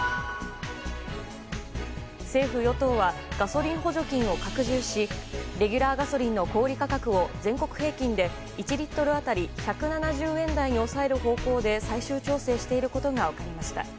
政府・与党はガソリン補助金を拡充しレギュラーガソリンの小売価格を全国平均で１リットル当たり１７０円台に抑える方向で最終調整していることが分かりました。